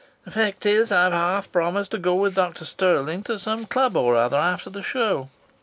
"The fact is, I've half promised to go with Dr Stirling to some club or other after the show.